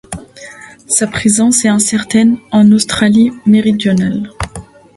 Sa présence est incertaine en Australie-Méridionale.